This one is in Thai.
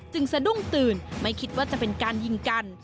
สะดุ้งตื่นไม่คิดว่าจะเป็นการยิงกัน